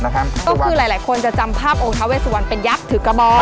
ก็คือหลายคนจะจำภาพองค์ท้าเวสุวรรณเป็นยักษ์ถือกระบอง